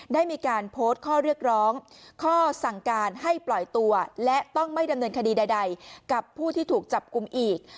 ได้มีการโพสต์ข้อเรียกร้องข้อสั่งการให้ปล่อยตัวและต้องไม่ดำเนินคดีใดกับผู้ที่ถูกจับกลุ่มอีก